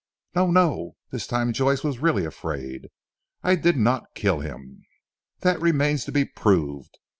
"No! No!" this time Joyce was really afraid. "I did not kill him!" "That remains to be proved.